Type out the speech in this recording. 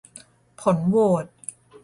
ผลโหวต